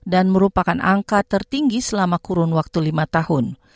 dan merupakan angka tertinggi selama kurun waktu lima tahun